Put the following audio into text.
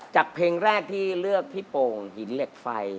เพลงแรกที่เลือกพี่โป่งหินเหล็กไฟ